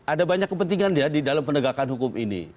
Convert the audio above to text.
ada banyak kepentingan dia di dalam penegakan hukum ini